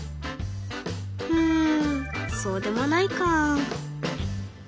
うんそうでもないか。